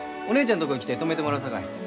お姉ちゃんとこに来て泊めてもらうさかい。